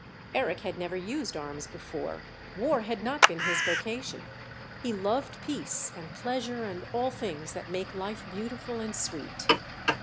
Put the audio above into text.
Eric had never used arms before; war had not been his vocation; he loved peace and pleasure and all things that make life beautiful and sweet.